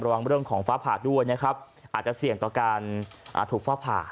ระวังเรื่องของฟ้าผ่าด้วยนะครับอาจจะเสี่ยงต่อการถูกฟ้าผ่า